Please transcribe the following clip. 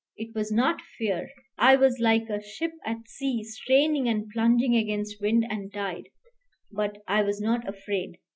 It was not fear. I was like a ship at sea straining and plunging against wind and tide, but I was not afraid.